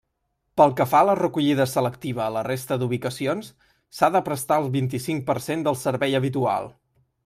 Pel que fa a la recollida selectiva a la resta d'ubicacions, s'ha de prestar el vint-i-cinc per cent del servei habitual.